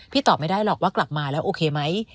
ตอบไม่ได้หรอกว่ากลับมาแล้วโอเคไหม